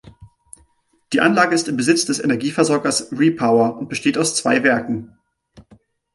Die Anlage ist im Besitz des Energieversorgers Repower und besteht aus zwei Werken.